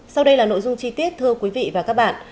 sau đây là nội dung chi tiết thưa quý vị và các bạn